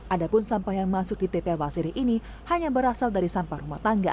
adapun sampah yang masuk di tpa basiri ini hanya berasal dari sampah rumah tangga